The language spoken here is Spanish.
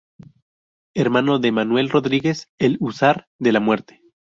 Hermano de Manuel Rodríguez, el húsar de la muerte.